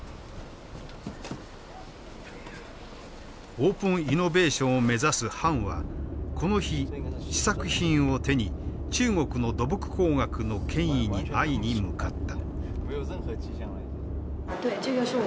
オープンイノベーションを目指す潘はこの日試作品を手に中国の土木工学の権威に会いに向かった。